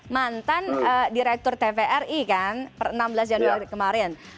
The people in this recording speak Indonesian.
mantan direktur tvri kan per enam belas januari kemarin